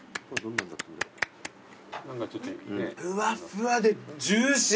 ふわふわでジューシー！